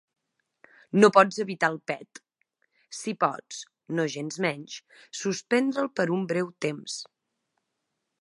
No pots evitar el pet; sí pots, nogensmenys, suspendre'l per un breu temps.